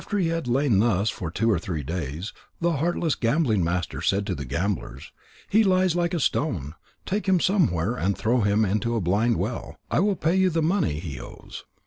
After he had lain thus for two or three days, the heartless gambling master said to the gamblers: "He lies like a stone. Take him somewhere and throw him into a blind well. I will pay you the money he owes."